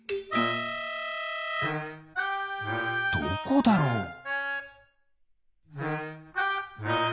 どこだろう？